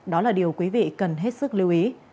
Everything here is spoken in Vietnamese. đó là điều quý vị cần hết sức lưu ý